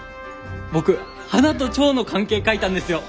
僕花と蝶の関係書いたんですよ！